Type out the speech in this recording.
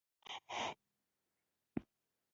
د کامې شریخ خوند لا